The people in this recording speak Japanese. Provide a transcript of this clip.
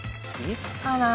いつかな？